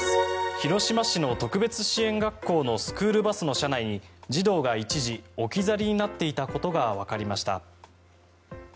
広島市の特別支援学校のスクールバスの車内に児童が一時置き去りになっていたことがわかりました。